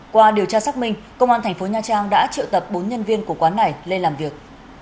qua điều tra xác minh công an thành phố nha trang đã triệu tập bốn nhân viên của quán này lên làm việc